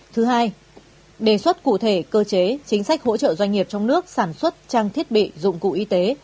thứ hai đề xuất cụ thể cơ chế chính sách hỗ trợ doanh nghiệp trong nước sản xuất trang thiết bị dụng cụ y tế